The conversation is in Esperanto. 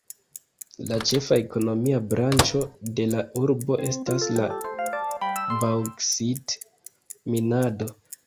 La ĉefa ekonomia branĉo de la urbo estas la baŭksit-minado.